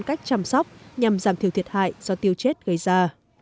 cách chăm sóc nhằm giảm thiểu thiệt hại do tiêu chết gây ra